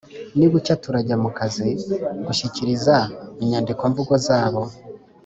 Ni bucya turajya mu kazi gushyikiriza inyandikomvugo zabo